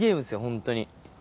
ホントに。